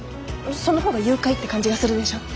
その方が誘拐って感じがするでしょ。